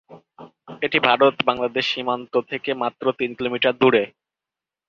এটি ভারত-বাংলাদেশ সীমান্ত থেকে মাত্র তিন কিলোমিটার দূরে।